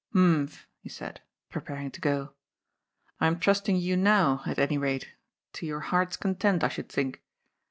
" Humph," he said, preparing to go. " I am trusting you now, at any rate, — to your heart's content, I should think.